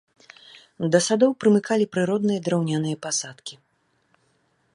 Да садоў прымыкалі прыродныя драўняныя пасадкі.